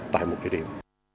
tại một địa điểm